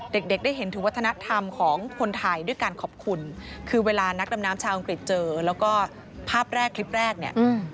เด็กเด็กได้เห็นถึงวัฒนธรรมของคนไทยด้วยการขอบคุณคือเวลานักดำน้ำชาวอังกฤษเจอแล้วก็ภาพแรกคลิปแรกเนี่ย